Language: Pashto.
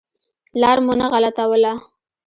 لار مو نه غلطوله.